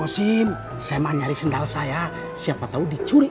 siapa tahu dicuri